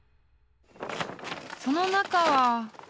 ［その中は］